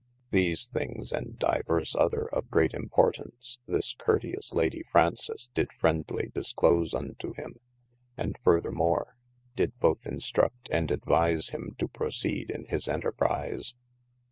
These thinges and divers other of great importaunce, this courteouse Lady Fraunces dyd friendly disclose unto hym, and further more, did both instrudt and advise him to proceede in his enterprise.